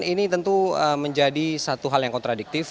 ini tentu menjadi satu hal yang kontradiktif